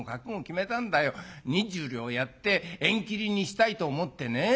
２０両やって縁切りにしたいと思ってね。